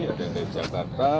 ada yang dari jakarta